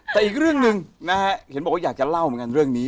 แต่อีกเรื่องหนึ่งนะฮะเห็นบอกว่าอยากจะเล่าเหมือนกันเรื่องนี้